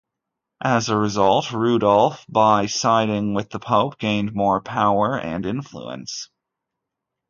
As a result, Rudolf, by siding with the Pope, gained more power and influence.